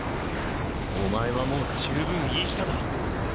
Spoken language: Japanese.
お前はもう十分生きただろ。